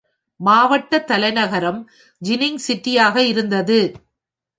மாவட்ட தலைநகரம் ஜினிங் சிட்டியாக இருந்தது.